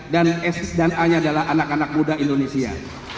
dan s dan a adalah anak anak muda indonesia